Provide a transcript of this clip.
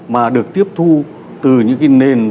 mà được tiếp thu từ những cái nhà thờ công giáo